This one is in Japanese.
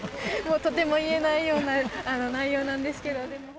とても言えないような内容なんですけど。